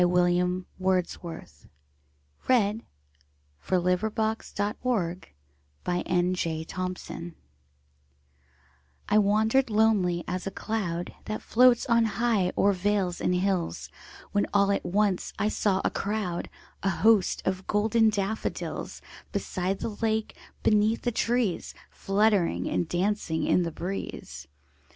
William Wordsworth I Wandered Lonely As a Cloud I WANDERED lonely as a cloud That floats on high o'er vales and hills, When all at once I saw a crowd, A host, of golden daffodils; Beside the lake, beneath the trees, Fluttering and dancing in the breeze.